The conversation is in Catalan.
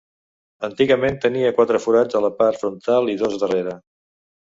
Antigament tenia quatre forats a la part frontal i dos darrere.